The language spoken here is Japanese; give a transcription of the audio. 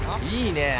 いいね。